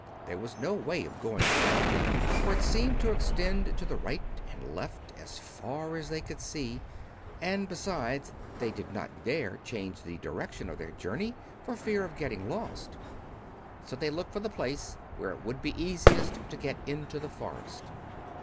There was no way of going around it, for it seemed to extend to the right and left as far as they could see; and, besides, they did not dare change the direction of their journey for fear of getting lost. So they looked for the place where it would be easiest to get into the forest.